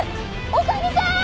女将さーん！